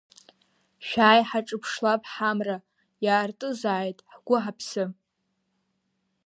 Шәааи, ҳаҿыԥшлап ҳамра, иаартызааит ҳгәы-ҳаԥсы!